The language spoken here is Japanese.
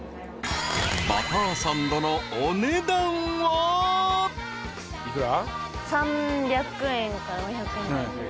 ［バターサンドのお値段は］幾ら？